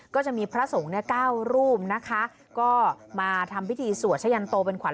ก็จะมีพระสงฆ์เนี่ย๙รูปนะคะก็มาทำพิธีสวดชะยันโตเป็นขวัญ